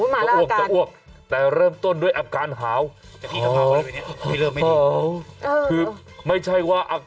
จะอ้วกจะอ้วกแต่เริ่มต้นด้วยอาการหาวคือไม่ใช่ว่า